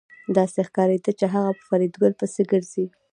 داسې ښکارېده چې هغه په فریدګل پسې ګرځي